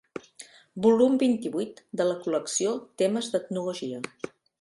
Volum vint-i-vuit de la col·lecció Temes d'Etnologia.